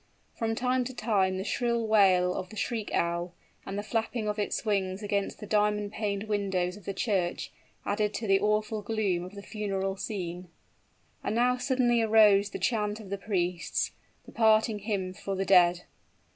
From time to time the shrill wail of the shriek owl, and the flapping of its wings against the diamond paned windows of the church, added to the awful gloom of the funeral scene. And now suddenly arose the chant of the priests the parting hymn for the dead!